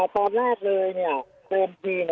ตอนแรกเลยเดิมที